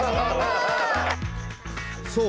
そう！